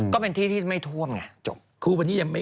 ก็เป็นที่ที่ไม่ท่วมไงจบ